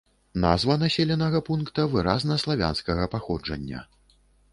Назва населенага пункта выразна славянскага паходжання.